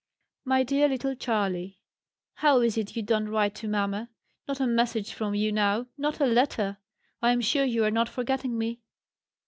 "MY DEAR LITTLE CHARLEY," "How is it you do not write to mamma? Not a message from you now: not a letter! I am sure you are not forgetting me."